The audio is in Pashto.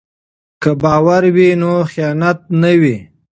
که باور وي نو خیانت نه وي.